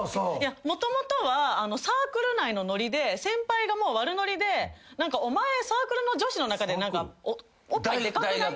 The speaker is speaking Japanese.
もともとはサークル内のノリで先輩がもう悪ノリでお前サークルの女子の中でおっぱいでかくない？大学？